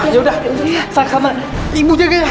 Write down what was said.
ya udah saya sama ibu jaganya